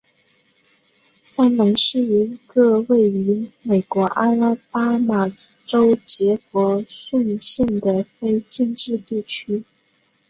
香农是一个位于美国阿拉巴马州杰佛逊县的非建制地区。